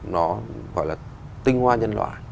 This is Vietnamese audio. nó gọi là tinh hoa nhân loại